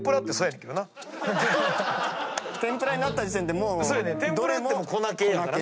天ぷらになった時点でもうどれも粉系。